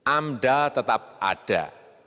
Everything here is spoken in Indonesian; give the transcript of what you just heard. amdal tetap ada